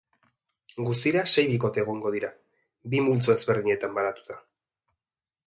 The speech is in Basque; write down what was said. Guztira sei bikote egongo dira, bi multzo ezberdinetan banatuta.